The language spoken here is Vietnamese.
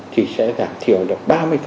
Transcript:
thì sẽ giảm thiểu được ba mươi